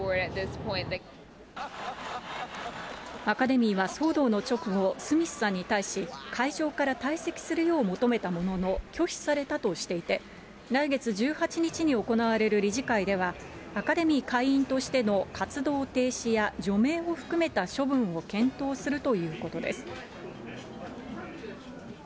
アカデミーは騒動の直後、スミスさんに対し、会場から退席するよう求めたものの、拒否されたとしていて、来月１８日に行われる理事会では、アカデミー会員としての活動停止や除名を含めた処分を検討するということです。